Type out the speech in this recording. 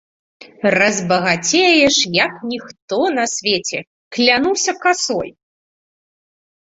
Разбагацееш, як ніхто на свеце, клянуся касой!